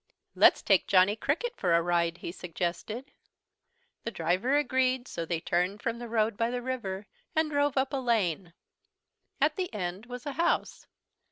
"Let's take Johnny Cricket for a ride," he suggested. The driver agreed, so they turned from the road by the river and drove up a lane. At the end was a house.